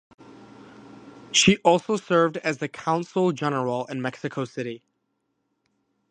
She also served as Consul General in Mexico City.